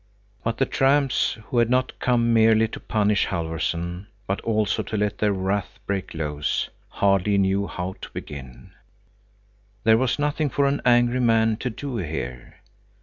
But the tramps, who had not come merely to punish Halfvorson, but also to let their wrath break loose, hardly knew how to begin. There was nothing for an angry man to do here.